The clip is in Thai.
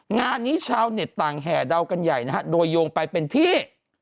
งานนี้ชาวเน็ตต่างแห่เดากันใหญ่นะฮะโดยโยงไปเป็นที่